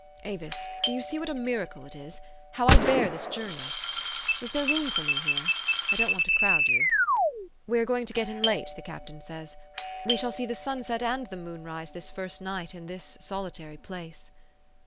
Avis, do } T OU see what a miracle it is? How I bear this journe}*? Is there room for me here ? I don't want to crowd 3 7 ou. We are going to get in late, the captain says. We shall see the sunset and the moonrise, this first night, in this solitary place."